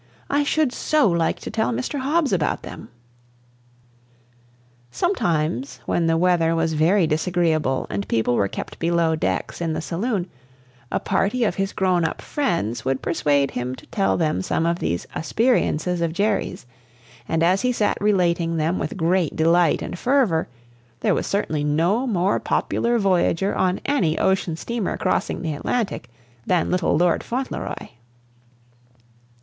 I should so like to tell Mr. Hobbs about them!" Sometimes, when the weather was very disagreeable and people were kept below decks in the saloon, a party of his grown up friends would persuade him to tell them some of these "asperiences" of Jerry's, and as he sat relating them with great delight and fervor, there was certainly no more popular voyager on any ocean steamer crossing the Atlantic than little Lord Fauntleroy.